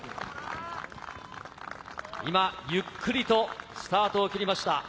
ゆっくりとスタートを切りました。